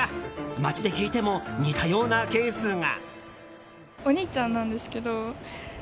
街で聞いても似たようなケースが。